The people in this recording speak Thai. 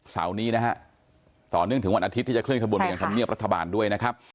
เสาร์นี้นะฮะต่อเนื่องถึงวันอาทิตย์ที่จะเคลไปยังธรรมเนียบรัฐบาลด้วยนะครับ